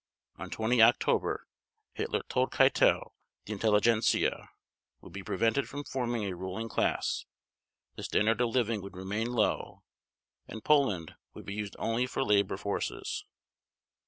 On 20 October, Hitler told Keitel the intelligentsia would be prevented from forming a ruling class, the standard of living would remain low, and Poland would be used only for labor forces.